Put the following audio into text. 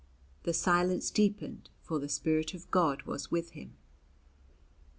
The silence deepened, for the Spirit of God was with him.